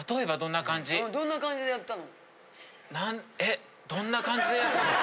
どんな感じでやったの？